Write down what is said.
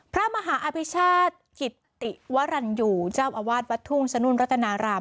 พระมหาอภิชาติกิตติวรรณอยู่เจ้าอาวาสวัดทุ่งสนุนรัตนาราม